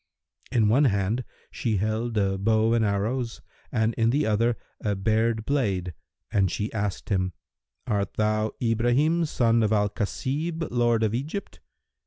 In one hand she held a bow and arrows and in the other a bared blade, and she asked him, "Art thou Ibrahim, son of al Khasib, lord of Egypt?"